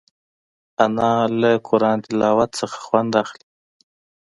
انا له قرآن تلاوت نه خوند اخلي